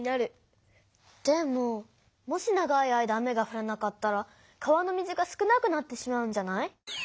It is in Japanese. でももし長い間雨がふらなかったら川の水が少なくなってしまうんじゃない？